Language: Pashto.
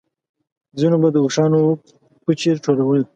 ځينو به د اوښانو پچې راټولولې.